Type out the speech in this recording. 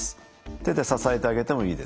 手で支えてあげてもいいです。